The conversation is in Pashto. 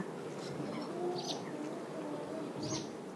که د نورو اسایش او ارام غواړې.